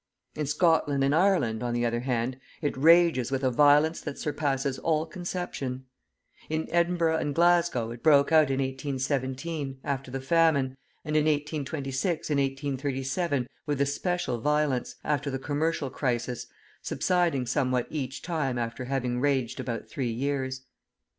In Scotland and Ireland, on the other hand, it rages with a violence that surpasses all conception. In Edinburgh and Glasgow it broke out in 1817, after the famine, and in 1826 and 1837 with especial violence, after the commercial crisis, subsiding somewhat each time after having raged about three years.